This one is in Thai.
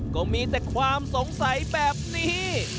ก็มีแต่ความสงสัยแบบนี้